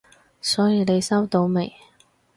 所以你收到未？